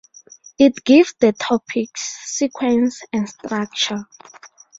It gives the topics' sequence and structure.